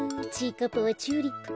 かっぱはチューリップか。